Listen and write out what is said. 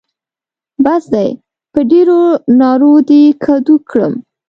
بس دی؛ په ډېرو نارو دې کدو کړم.